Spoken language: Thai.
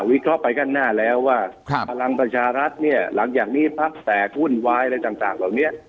วิเคราะห์ไปขั้นหน้าแล้วว่าภรรยาประชารัฐหลังอย่างนี้ภรรกแตกฮุ่นวายอะไรต่างของเนี้ย